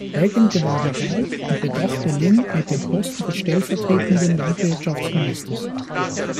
Reagan gewann die Wahl und bedachte Lyng mit dem Posten des stellvertretenden Landwirtschaftsministers.